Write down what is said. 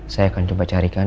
saya akan coba carikan